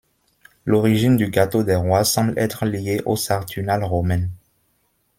L'origine du gâteau des rois semble être liée aux saturnales romaines.